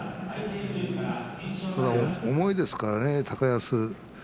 ただ重いですからね、高安。